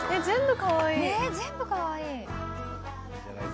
全部かわいい。